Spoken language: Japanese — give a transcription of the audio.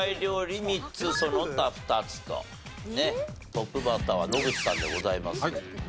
トップバッターは野口さんでございますけれどもね。